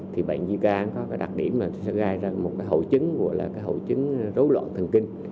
thì bệnh zika có cái đặc điểm là nó sẽ gai ra một cái hậu chứng gọi là hậu chứng rối loạn thần kinh